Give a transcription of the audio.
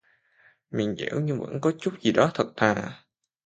Miệng dẻo nhưng vẫn có chút gì đó thật thà